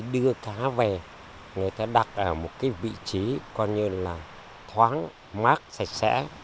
đưa cá về người ta đặt ở một cái vị trí coi như là thoáng mát sạch sẽ